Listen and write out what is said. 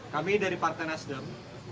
kami dari partai nasdem